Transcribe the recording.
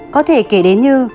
có thể kể đến như